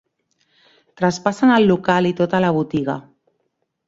Traspassen el local i tota la botiga.